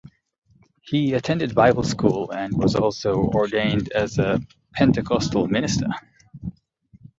He attended bible school and was also ordained as a Pentecostal minister.